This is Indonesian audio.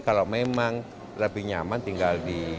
kalau memang lebih nyaman tinggal di